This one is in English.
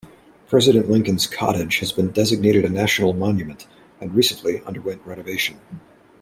President Lincoln's Cottage has been designated a National Monument, and recently underwent renovation.